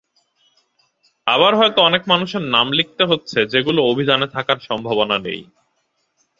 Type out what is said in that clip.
আবার হয়তো অনেক মানুষের নাম লিখতে হচ্ছে, যেগুলো অভিধানে থাকার সম্ভাবনা নেই।